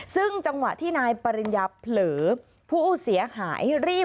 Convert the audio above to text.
ซึ่งจังหวะที่นายปริญญา